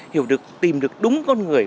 hiểu được tìm được đúng con người